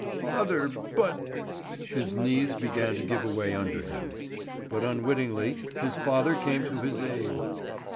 "Father but ." His knees began to give away under him; but unwittingly his father came to his aid?